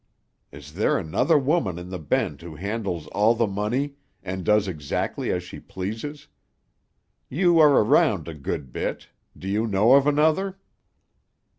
Is there another woman in the Bend who handles all the money, and does exactly as she pleases? You are around a good bit; do you know of another?"